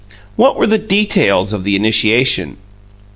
What were the details of the initiation?"